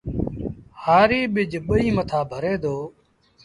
هآريٚ ٻج ٻئيٚ مٿآ ڀري دو